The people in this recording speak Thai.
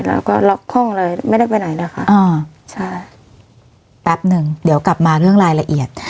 แล้วก็ล็อกห้องเลยไม่ได้ไปไหนเลยค่ะอ่าใช่แป๊บหนึ่งเดี๋ยวกลับมาเรื่องรายละเอียด